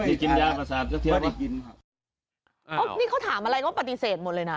โอ๊ะนี่เขาถามอะไรเขาปฏิเสธหมดเลยนะ